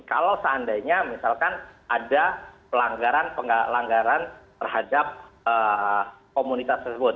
kalau seandainya misalkan ada pelanggaran terhadap komunitas tersebut